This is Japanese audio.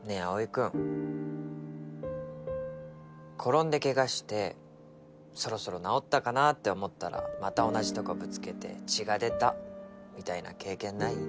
葵君転んでケガしてそろそろ治ったかなって思ったらまた同じとこぶつけて血が出たみたいな経験ない？